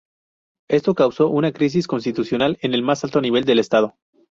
Esto causó una crisis constitucional en el más alto nivel del estado.